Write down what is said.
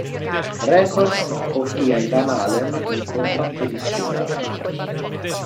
Records offrì ai Van Halen un contratto discografico.